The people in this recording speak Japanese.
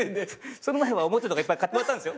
その前はおもちゃとかいっぱい買ってもらったんですよ。